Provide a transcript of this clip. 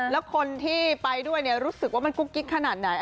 แล้วคนที่ไปด้วยรู้สึกว่ามันกุ๊กกิ๊กขนาดไหน